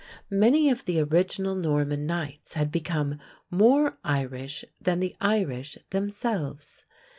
Many of the original Norman knights had become "more Irish than the Irish themselves."